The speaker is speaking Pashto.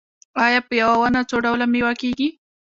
آیا په یوه ونه څو ډوله میوه کیږي؟